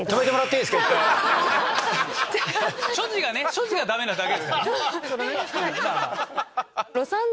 所持がダメなだけですからね。